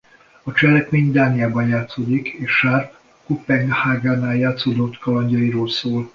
A cselekmény Dániában játszódik és Sharpe Koppenhágánál játszódó kalandjairól szól.